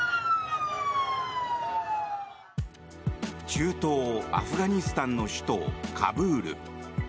中東アフガニスタンの首都カブール。